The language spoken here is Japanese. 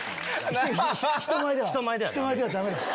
人前ではダメよ。